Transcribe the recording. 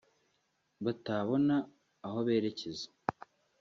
batabona aho berekeza